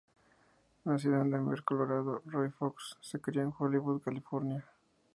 Nacido en Denver, Colorado, Roy Fox se crio en Hollywood, California.